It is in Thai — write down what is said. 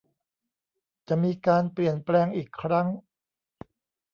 จะมีการเปลี่ยนแปลงอีกครั้ง